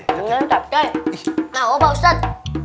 mau pak ustaz